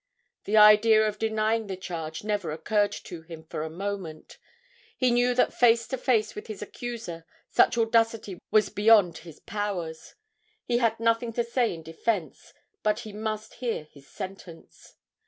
The idea of denying the charge never occurred to him for a moment; he knew that face to face with his accuser such audacity was beyond his powers; he had nothing to say in defence, but he must hear his sentence.